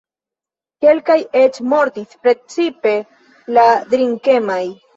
Kelkaj eĉ mortis, precipe la drinkemaj.